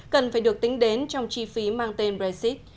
cần phải được tính đến trong chi phí mang tên brexit